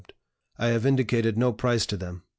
I have indicated no price to them.